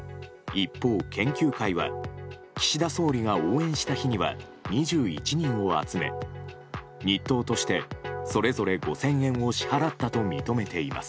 一方、研究会は岸田総理が応援した日には２１人を集め日当としてそれぞれ５０００円を支払ったと認めています。